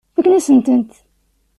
Fakken-asent-t.